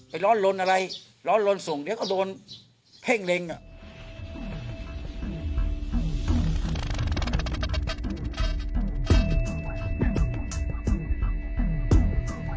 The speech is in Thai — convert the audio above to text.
ร้อนลนอะไรร้อนลนส่งเดี๋ยวก็โดนเพ่งเล็งอ่ะ